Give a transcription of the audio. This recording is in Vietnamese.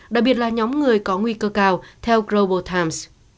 đặc biệt là nhóm người có nguy cơ cao theo global times